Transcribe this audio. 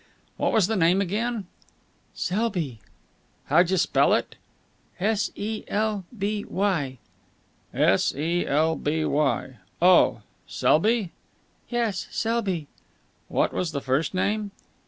"What was the name again?" "Selby." "Howja spell it?" "S e l b y." "S e l b y. Oh, Selby?" "Yes, Selby." "What was the first name?"